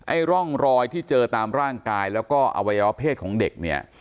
ร่องรอยที่เจอตามร่างกายแล้วก็อวัยวะเพศของเด็กเนี่ย